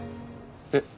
えっ？